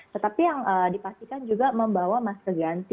tetapi yang dipastikan juga membawa masker ganti